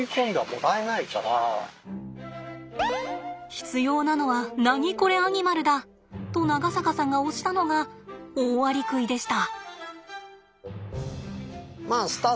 必要なのはナニコレアニマルだと長坂さんが推したのがオオアリクイでした。